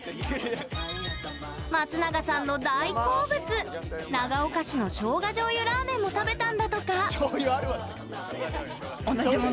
松永さんの大好物長岡市の生姜醤油ラーメンも食べたんだとか。